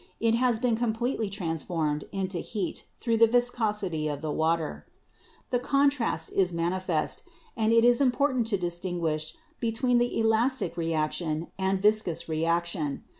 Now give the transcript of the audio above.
The energy ex pended may be recovered. has been completely transformed into heat through the viscosity of the water. "The contrast is manifest, and it is important to dis tinguish between elastic reaction and viscous reaction.